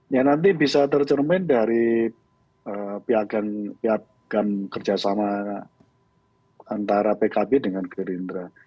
ya nanti bisa tercermin dari piagam kerjasama antara pkb dengan gerindra